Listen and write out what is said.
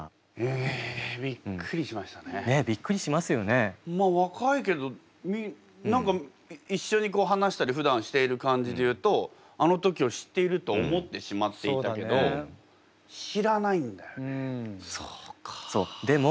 まあ若いけど何か一緒に話したりふだんしている感じでいうとあの時を知っていると思ってしまっていたけど知らないんだよね。